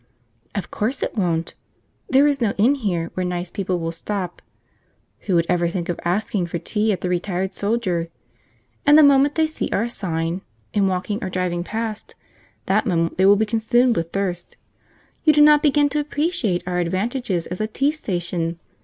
"Of course it won't. There is no inn here where nice people will stop (who would ever think of asking for tea at the Retired Soldier?), and the moment they see our sign, in walking or driving past, that moment they will be consumed with thirst. You do not begin to appreciate our advantages as a tea station.